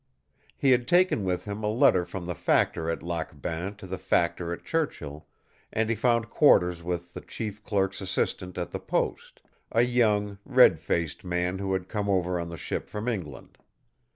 He had taken with him a letter from the factor at Lac Bain to the factor at Churchill, and he found quarters with the chief clerk's assistant at the post a young, red faced man who had come over on the ship from England.